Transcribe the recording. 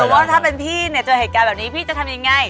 ว่าถ้าเป็นพี่เนี่ยเจอเหตุการณ์แบบนี้พี่จะทำยังไง